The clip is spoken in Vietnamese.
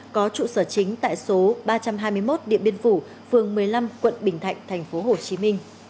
có trụ sở chính tại số ba trăm hai mươi một điện biên phủ phường một mươi năm quận bình thạnh tp hcm